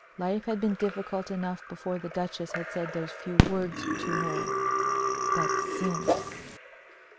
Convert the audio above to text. Life had been difficult enough before the Duchess had said those few words to her. But since!